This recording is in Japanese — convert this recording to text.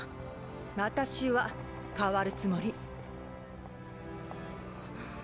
私は変わるつもり。